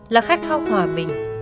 là khách hong hòa bình